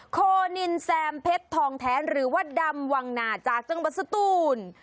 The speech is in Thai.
คนินแซมเพชรทองแท้หรือว่าดำวังหนาจากจังหวัดสตูน